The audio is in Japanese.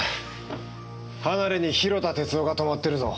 離れに広田哲夫が泊まってるぞ。